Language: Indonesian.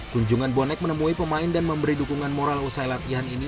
kunjungan bonek menemui pemain dan memberi dukungan moral usai latihan ini